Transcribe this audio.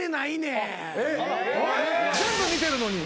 全部見てるのに。